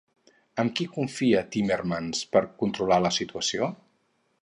Amb qui confia Timmermans per controlar la situació?